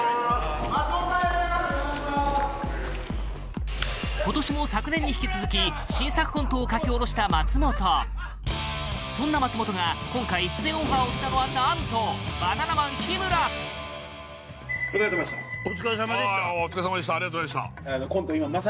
・松本さん入ります今年も昨年に引き続き新作コントを書き下ろした松本そんな松本が今回出演オファーをしたのはなんとバナナマン日村・お疲れさまでしたお疲れさまでしたお疲れさまでしたありがとうございました